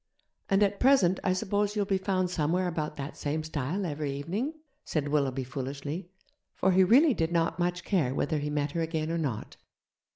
'And at present I suppose you'll be found somewhere about that same stile every evening?' said Willoughby foolishly, for he really did not much care whether he met her again or not.